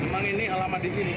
memang ini alamat disini